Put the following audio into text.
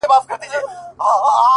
o ټول عمر ښېرا کوه دا مه وايه ـ